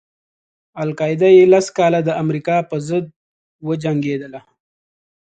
القاعده یې لس کاله د امریکا پر ضد وجنګېدله.